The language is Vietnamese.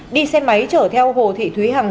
đi xe máy chở theo hồ thị thúy hằng